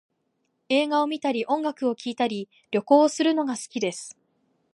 映画を観たり音楽を聴いたり、旅行をするのが好きです